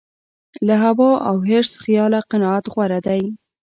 له هوا او حرص خیاله قناعت غوره دی.